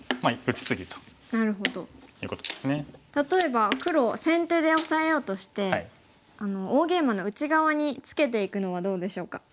例えば黒先手でオサえようとして大ゲイマの内側にツケていくのはどうでしょうか？